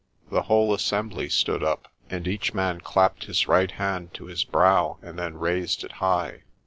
The whole assembly stood up, and each man clapped his right hand to his brow and then raised it high.